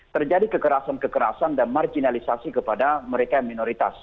terjadi kekerasan kekerasan dan marginalisasi kepada mereka yang minoritas